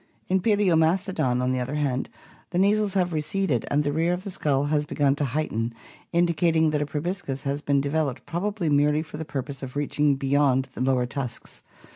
In Pal(Bomastodony on the other hand, the nasals have receded and the rear of the skull has begun to heighten, indicating that a proboscis had been de veloped probably merely for the purpose of reaching beyond the lower tusks.